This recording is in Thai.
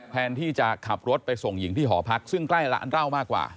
แทนที่จะขับรถไปส่งหญิงที่หอพักซึ่งใกล้ร้านเหล้ามากกว่า